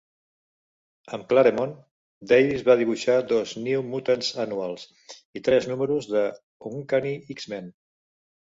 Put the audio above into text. Amb Claremont, Davis va dibuixar dos "New Mutants Annuals" i tres números d'"Uncanny X-Men".